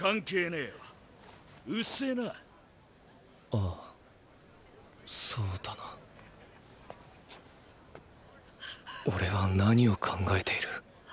あぁそうだな。オレは何を考えている。